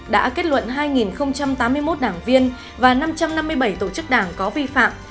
đã kết luận hai tám mươi một đảng viên và năm trăm năm mươi bảy tổ chức đảng có vi phạm